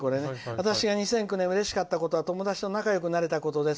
「私が２００９年うれしかったことは友達と仲よくなれたことです。